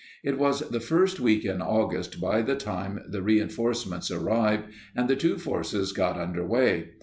It was the first week in August by the time the reinforcements arrived and the two forces got under way.